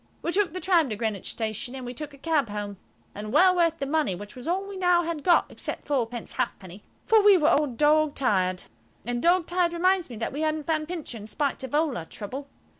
We took the tram to Greenwich Station, and then we took a cab home (and well worth the money, which was all we now had got, except fourpence halfpenny), for we were all dog tired. And dog tired reminds me that we hadn't found Pincher, in spite of all our trouble.